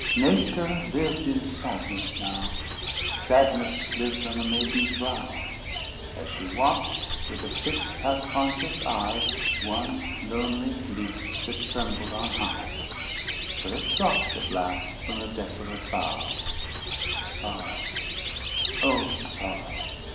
Nature lived in sadness now; Sadness lived on the maiden's brow, As she watched, with a fixed, half conscious eye, One lonely leaf that trembled on high, Till it dropped at last from the desolate bough— Sorrow, oh, sorrow!